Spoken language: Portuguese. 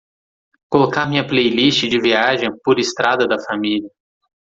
colocar minha playlist de viagem por estrada da família